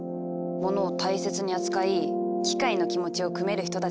物を大切に扱い機械の気持ちを酌める人たちです。